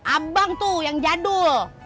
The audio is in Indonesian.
abang tuh yang jadul